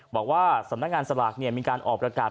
บอกว่าสำนักงานสลากมีการออกประกาศ